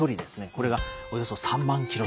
これがおよそ３万キロと。